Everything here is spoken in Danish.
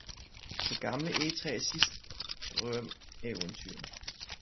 Det gamle egetræs sidste drøm Eventyr